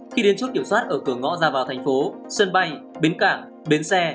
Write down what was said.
khi đến chốt kiểm soát ở cửa ngõ ra vào thành phố sân bay bến cảng bến xe